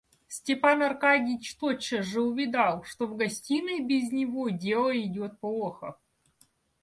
Степан Аркадьич тотчас же увидал, что в гостиной без него дело идет плохо.